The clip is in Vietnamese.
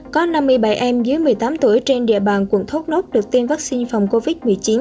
có năm mươi bảy em dưới một mươi tám tuổi trên địa bàn quận thốt nốt được tiêm vaccine phòng covid một mươi chín